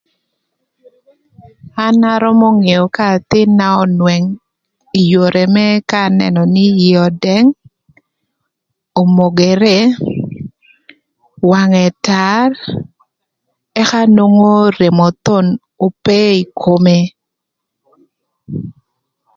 An arömö ngeo ka athïn-na önwëng ï yodhi më ka anënö nï ïë ödëng, omogere, wangë tar ëka nwongo remo thon ope ï kome.